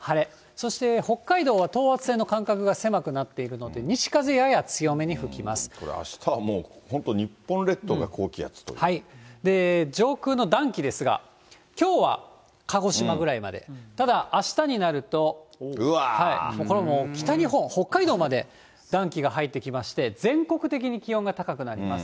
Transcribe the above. そして北海道は等圧線の間隔が狭くなっているので、西風やや強めこれ、あしたは本当、上空の暖気ですが、きょうは鹿児島ぐらいまで、ただ、あしたになると、これもう、北日本、北海道まで暖気が入ってきまして、全国的に気温が高くなります。